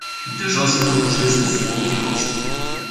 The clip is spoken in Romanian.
Deja se prăbușește sub ochii noștri.